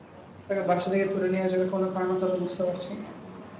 তাঁকে বাসা থেকে ধরে নিয়ে যাওয়ার কোনো কারণও তাঁরা বুঝতে পারছেন না।